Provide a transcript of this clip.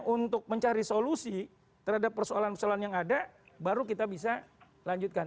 untuk mencari solusi terhadap persoalan persoalan yang ada baru kita bisa lanjutkan